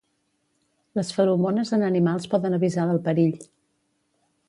Les feromones en animals poden avisar del perill.